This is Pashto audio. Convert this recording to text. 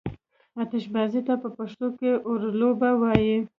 آتشبازي ته په پښتو کې اورلوبه وايي.